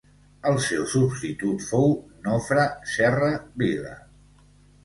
El seu substitut fou Nofre Serra Vila.